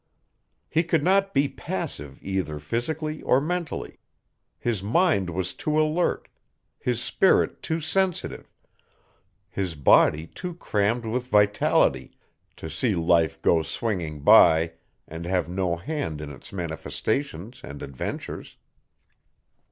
He could not be passive either physically or mentally. His mind was too alert, his spirit too sensitive, his body too crammed with vitality to see life go swinging by and have no hand in its manifestations and adventures.